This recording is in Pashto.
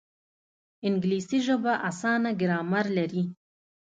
انګلیسي ژبه اسانه ګرامر لري